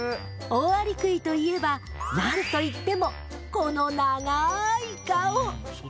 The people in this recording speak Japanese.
オオアリクイといえば何と言ってもこの長い顔。